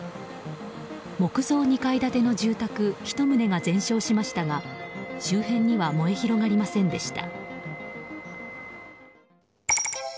木造２階建ての住宅１棟が全焼しましたが周辺には燃え広がりませんでした。